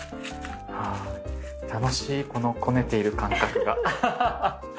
楽しいこのこねている感覚が。